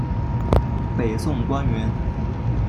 北宋官员。